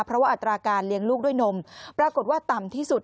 เพราะว่าอัตราการเลี้ยงลูกด้วยนมปรากฏว่าต่ำที่สุด